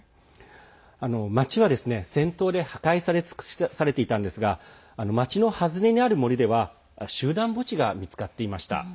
町は戦闘で破壊され尽くされていたんですが町の外れにある森では集団墓地が見つかっていました。